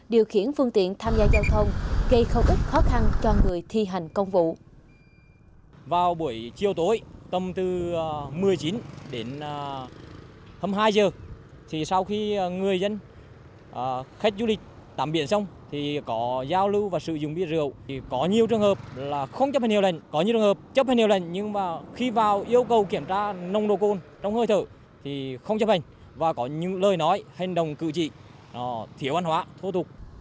điều khiển phương tiện tham gia giao thông gây không ít khó khăn cho người thi hành công vụ